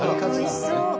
おいしそう。